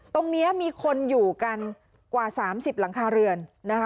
ตรงนี้มีคนอยู่กันกว่า๓๐หลังคาเรือน